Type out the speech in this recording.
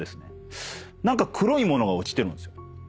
何か黒い物が落ちてるんすよ。